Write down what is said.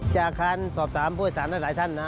จากครั้งสอบตามผู้โดยสารหลายท่านนะ